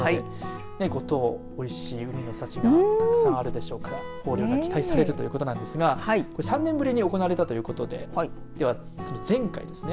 五島、おいしい海の幸がたくさんあるでしょうから豊漁が期待されるということなんですがこれ３年ぶりに行われたということで前回ですね。